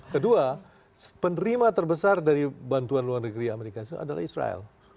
kedua penerima terbesar dari bantuan luar negeri amerika serikat adalah israel